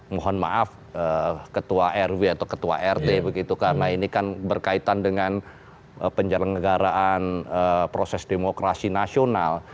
mohon maaf ketua rw atau ketua rt begitu karena ini kan berkaitan dengan penyelenggaraan proses demokrasi nasional